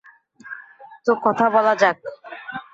তো কথা বলা যাক।